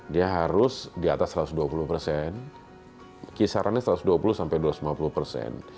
dia harus di atas satu ratus dua puluh persen kisarannya satu ratus dua puluh sampai dua ratus lima puluh persen